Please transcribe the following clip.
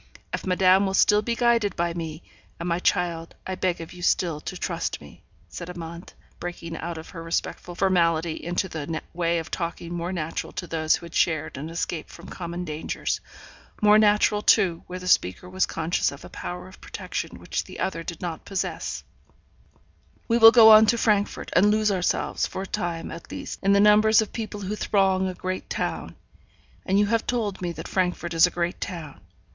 If madame will still be guided by me and, my child, I beg of you still to trust me,' said Amante, breaking out of her respectful formality into the way of talking more natural to those who had shared and escaped from common dangers more natural, too, where the speaker was conscious of a power of protection which the other did not possess 'we will go on to Frankfort, and lose ourselves, for a time, at least, in the numbers of people who throng a great town; and you have told me that Frankfort is a great town.